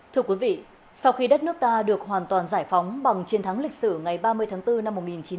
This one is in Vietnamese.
thưa quý vị sau khi đất nước ta được hoàn toàn giải phóng bằng chiến thắng lịch sử ngày ba mươi tháng bốn năm một nghìn chín trăm bảy mươi năm